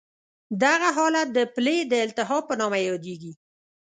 دغه حالت د پلې د التهاب په نامه یادېږي.